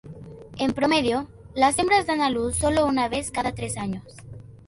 En promedio, las hembras dan a luz sólo una vez cada tres años.